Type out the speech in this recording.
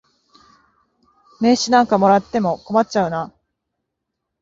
名刺なんかもらっても困っちゃうな。